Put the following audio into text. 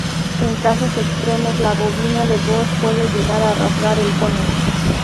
En casos extremos la bobina de voz puede llegar a rasgar del cono.